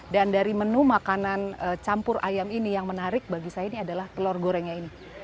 dan dari menu makanan campur ayam ini yang menarik bagi saya ini adalah telur gorengnya ini